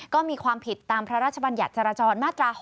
ก็มีความผิดตามพระราชบัญญัติจราจรมาตรา๖